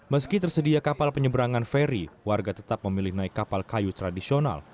meski tersedia kapal penyeberangan ferry warga tetap memilih naik kapal kayu tradisional